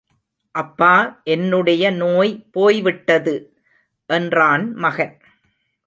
அப்பா என்னுடைய நோய் போய் விட்டது! என்றான் மகன்.